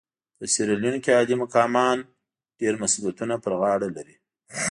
په سیریلیون کې عالي مقامان ډېر مسوولیتونه پر غاړه لري.